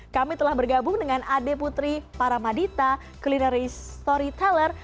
kami telah bergabung dengan ade putri paramadita culinary storyteller